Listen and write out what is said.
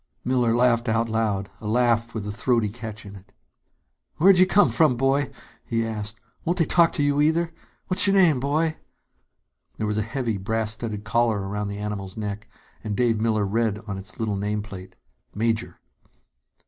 Miller laughed out loud, a laugh with a throaty catch in it. "Where'd you come from, boy?" he asked. "Won't they talk to you, either? What's your name, boy?" There was a heavy, brass studded collar about the animal's neck, and Dave Miller read on its little nameplate: "Major."